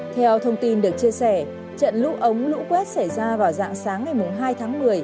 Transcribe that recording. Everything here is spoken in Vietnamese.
theo thông tin được chia sẻ trận lũ ống lũ quét xảy ra vào dạng sáng ngày hai tháng một mươi